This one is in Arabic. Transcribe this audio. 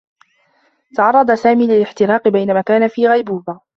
تعرّض سامي للاحتراق بينما كان في غيبوبة.